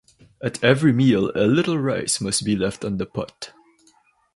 At every meal a little rice must be left in the pot.